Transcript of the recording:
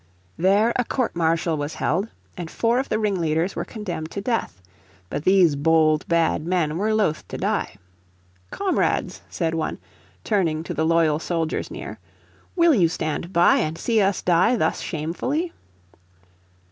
There a court martial was held, and four of the ringleaders were condemned to death. But these bold bad men were loath to die. "Comrades," said one, turning to the loyal soldiers near, "will you stand by and see us die thus shamefully?"